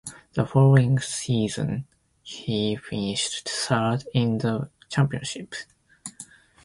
The following season he finished third in the championship.